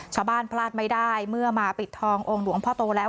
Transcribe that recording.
พลาดไม่ได้เมื่อมาปิดทององค์หลวงพ่อโตแล้ว